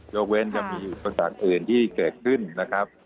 ยกเว้นมีศึกษาคื่นที่เกิดขึ้นนะครับ